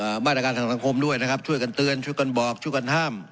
มาตรการทางสังคมด้วยนะครับช่วยกันเตือนช่วยกันบอกช่วยกันห้าม